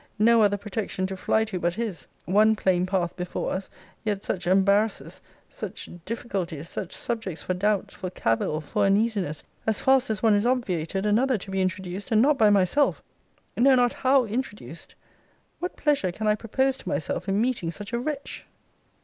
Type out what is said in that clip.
No other protection to fly to but his. One plain path before us; yet such embarrasses, such difficulties, such subjects for doubt, for cavil, for uneasiness; as fast as one is obviated, another to be introduced, and not by myself know not how introduced What pleasure can I propose to myself in meeting such a wretch?